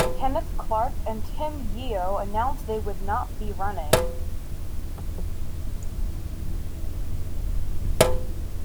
Kenneth Clarke and Tim Yeo announced they would not be running.